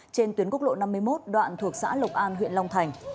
trên tuyến quốc lộ năm mươi một đoạn thuộc xã lộc an huyện long thành